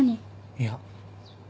いや。